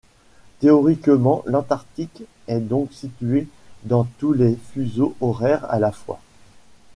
Théoriquement l'Antarctique est donc situé dans tous les fuseaux horaires à la fois.